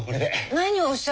何をおっしゃるの。